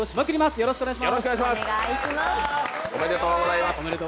よろしくお願いします。